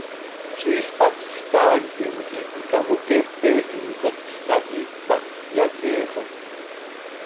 Ziix hapsx caaitim quih icamoqueepe imcotj cap iicp hac cöiyaqueexot.